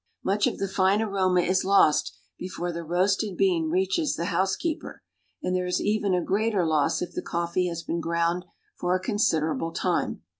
Much of the fine aroma is lost before the roasted bean reaches the housekeeper, and there is even a greater loss if the coffee has been ground for a considerable time.